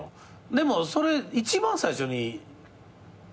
でもそれ一番最初に。